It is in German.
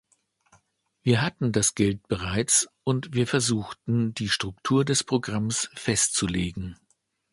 Wir hatten das Geld bereits, und wir versuchten, die Struktur des Programms festzulegen.